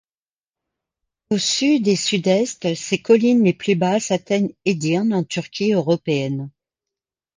Au sud et sud-est, ses collines les plus basses atteignent Edirne en Turquie européenne.